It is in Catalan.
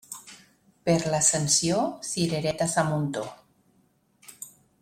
Per l'Ascensió, cireretes a muntó.